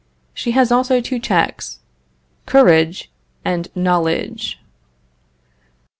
She has also two checks; Courage and Knowledge.